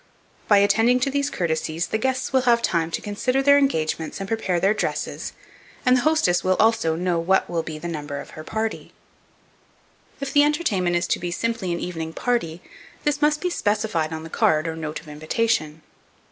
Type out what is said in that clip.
By attending to these courtesies, the guests will have time to consider their engagements and prepare their dresses, and the hostess will, also, know what will be the number of her party. If the entertainment is to be simply an evening party, this must be specified on the card or note of invitation.